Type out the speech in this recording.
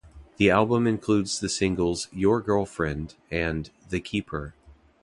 The album includes the singles "Your Girlfriend" and "The Keeper".